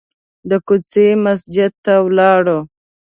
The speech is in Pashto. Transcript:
د کوڅې مسجد ته ولاړو.